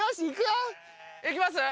行きます？